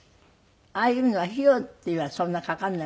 ああいうのは費用っていうのはそんなにかからない？